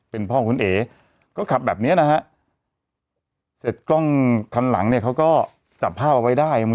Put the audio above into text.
เป็นพ่อของคุณเอ๋ก็ขับแบบเนี้ยนะฮะเสร็จกล้องคันหลังเนี่ยเขาก็จับผ้าเอาไว้ได้